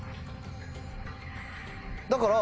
だから。